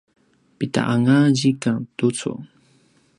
pida anga zikang tucu?